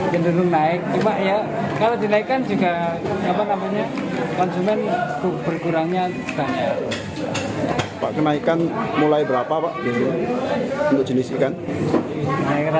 cenderung naik cuma ya kalau dinaikkan juga apa namanya konsumen berkurangnya